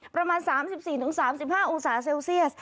ประมาณ๓๔๓๕องศาเซลเซียส